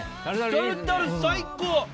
タルタル最高！